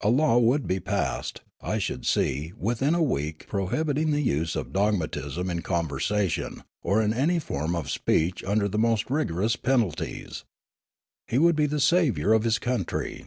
A law would be passed, I should see, within a week prohibit ing the use of dogmatism in conversation, or in any form of speech under the most rigorous penalties. He would be the saviour of his country.